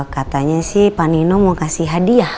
katanya sih panino mau kasih hadiah